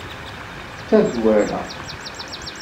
D tazwara.